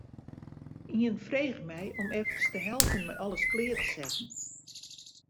Ien frege my om efkes te helpen mei alles klear te setten.